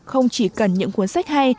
không chỉ cần những cuốn sách